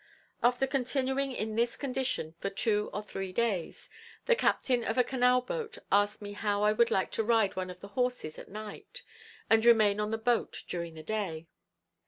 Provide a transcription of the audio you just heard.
After continuing in this condition for two or three days, the captain of a canal boat asked me how I would like to ride one of the horses at night, and remain on the boat during the day.